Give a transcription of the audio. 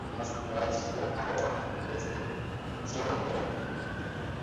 可通过候车室来往反方向月台。